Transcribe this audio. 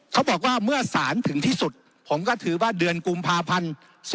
เขาบอกว่าเมื่อสารถึงที่สุดผมก็ถือว่าเดือนกุมภาพันธ์๒๕๖